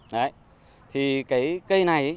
đấy thì cái cây này